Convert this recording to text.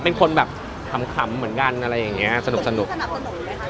เป็นคนแบบทำคำเหมือนกันอะไรอย่างเงี้ยสนุกสนุกสนับสนุกด้วยค่ะสนับสนุก